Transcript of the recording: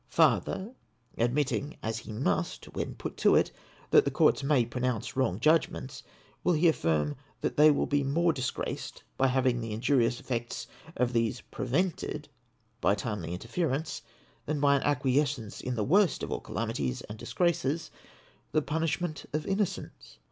Farther, admitting, as he must Avhen put to it, that the Com'ts may pronounce wrong judgments, will he affirm that they will be more disgraced l.ty having the iujiu'ious effects of these prevented by timely interference, than by an acquiescence in that w^orst of all calamities and disgraces, the punishment of innocence